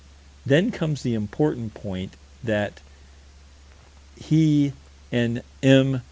Then comes the important point: that he and M.